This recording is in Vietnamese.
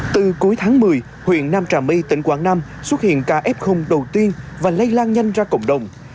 từ cuối tháng một mươi huyện nam trà my tỉnh quảng nam xuất hiện ca f đầu tiên và lây lan nhanh ra cộng đồng